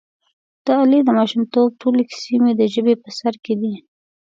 د علي د ماشومتوب ټولې کیسې مې د ژبې په سر کې دي.